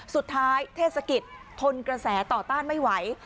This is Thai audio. สุดท้ายเทศกิจทนกระแสต่อต้านไม่ไหว